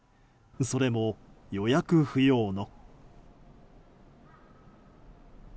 それも、予約不要の。